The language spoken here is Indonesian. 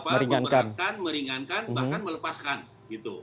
meringankan meringankan bahkan melepaskan gitu